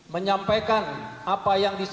menyampaikan apa yang